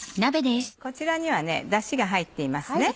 こちらにはだしが入っています。